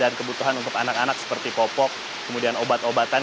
kebutuhan untuk anak anak seperti popok kemudian obat obatan